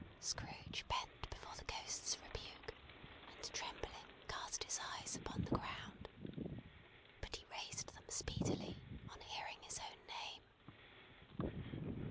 Scrooge bent before the Ghost's rebuke, and trembling cast his eyes upon the ground. But he raised them speedily, on hearing his own name.